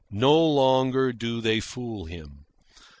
No longer do they fool him.